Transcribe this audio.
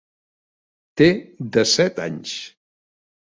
Té desset anys.